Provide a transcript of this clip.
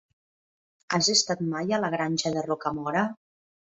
Has estat mai a la Granja de Rocamora?